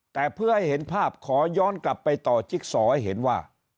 แต่เพื่อให้เห็นภาพขอย้อนกลับไปต่อจิ๊กซอให้เห็นว่า